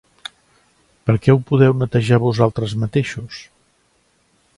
Per què ho podeu netejar vosaltres mateixos?